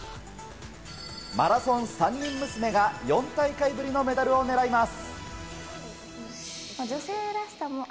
マラソン三人娘が４大会ぶりのメダルをねらいます。